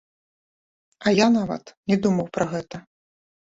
А я нават не думаў пра гэта!